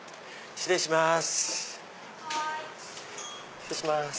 失礼します。